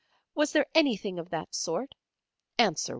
Was there anything of that sort? Answer, William."